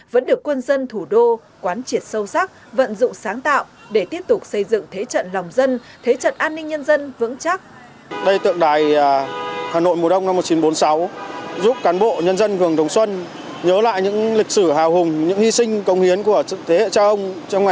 vẫn được quân dân thủ đô quán triệt sâu sắc vận dụng sáng tạo để tiếp tục xây dựng thế trận lòng dân